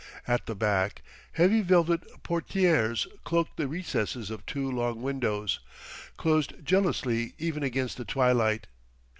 At the back, heavy velvet portières cloaked the recesses of two long windows, closed jealously even against the twilight.